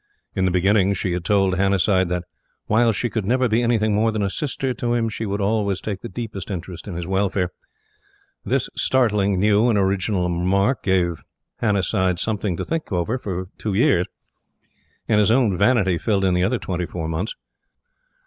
In the beginning, she had told Hannasyde that, "while she could never be anything more than a sister to him, she would always take the deepest interest in his welfare." This startlingly new and original remark gave Hannasyde something to think over for two years; and his own vanity filled in the other twenty four months.